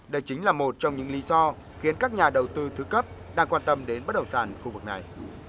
đây chính là một trong những lý do khiến các nhà đầu tư thứ cấp đang quan tâm đến bất động sản khu vực này